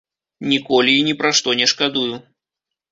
Ніколі і ні пра што не шкадую.